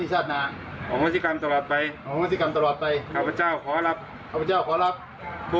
อโฮฮสิกรรมตลอดไปขอพระเจ้าขอรับ